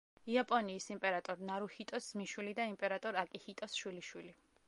იაპონიის იმპერატორ ნარუჰიტოს ძმისშვილი და იმპერატორ აკიჰიტოს შვილიშვილი.